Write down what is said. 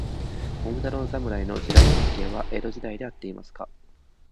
桃太郎侍の時代背景は、江戸時代であっていますか。